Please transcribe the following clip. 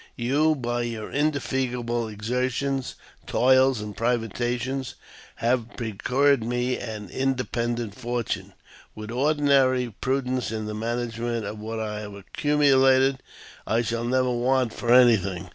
You, by your indefatigable exertions, toils, and privations, have procured me an indepen dent fortune. With ordinary prudence in the management of what I have accumulated, I shall never want for anything.